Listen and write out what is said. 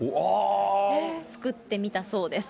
作ってみたそうです。